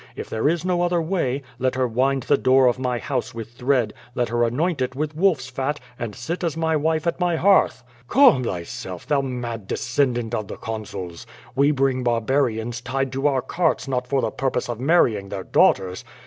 If there is no other way, let her wind the door of my house with thread; let her anoint it with wolf's fat, and sit as my wife at my hearth." "Calm thyself, thou mad descendant of the consuls! We bring barbarians tied to our carts not for the purpose of marrying their daughters.